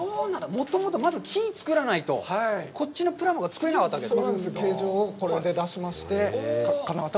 もともとは木を作らないと、こっちのプラモが作れなかったわけですか。